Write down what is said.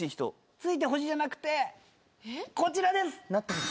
付いてほしいじゃなくてこちらです！